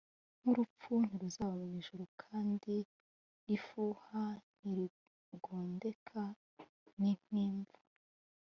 Nk’ urupfu ntiruzaba mwijuru Kandi ifuha ntirigondeka ni nk’ imva